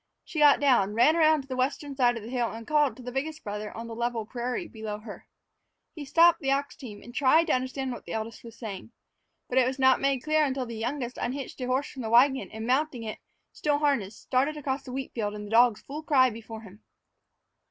She got down, ran around to the western side of the hill, and called to the biggest brother on the level prairie below her. He stopped the ox team and tried to understand what the eldest was saying. But it was not made clear until the youngest unhitched a horse from the wagon and mounting it, still harnessed, started across the wheat field with the dogs in full cry before him.